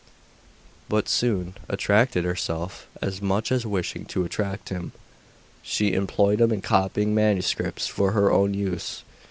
But soon, attracted herself, as much as wishing to attract him, she employed him in copying manuscripts for her own use.